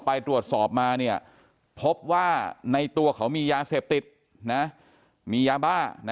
ไปตรวจสอบมาพบว่าในตัวเขามียาเสพติดมียาบ้า